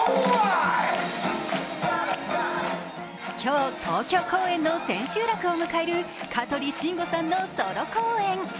今日、東京公演の千秋楽を迎える香取慎吾さんのソロ公演。